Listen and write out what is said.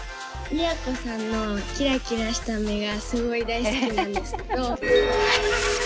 都さんのキラキラした目がすごい大好きなんですけど。